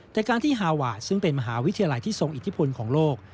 แต่การที่ฮาวาสซึ่งเป็นมหาวิทยาลัยที่ทรงอิทธิพลของโลก